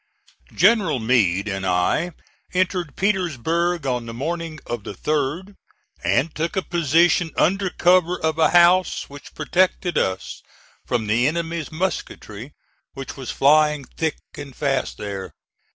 General Meade and I entered Petersburg on the morning of the 3d and took a position under cover of a house which protected us from the enemy's musketry which was flying thick and fast there.